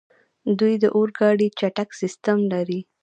دوی د اورګاډي چټک سیسټم لري.